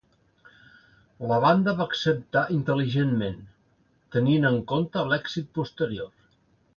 La banda va acceptar intel·ligentment, tenint en compte l'èxit posterior.